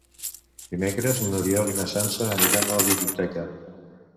Dimecres n'Oriol i na Sança aniran a la biblioteca.